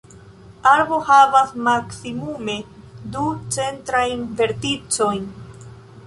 Arbo havas maksimume du centrajn verticojn.